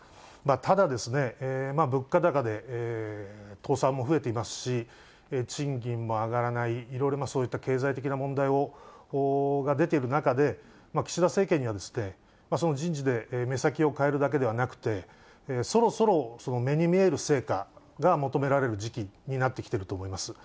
ただ、物価高で倒産も増えていますし、賃金も上がらない、いろいろそういった経済的な問題が出ている中で、岸田政権には、その人事で目先を変えるだけではなくて、そろそろ目に見える成果が求められる時期になってきていると思います。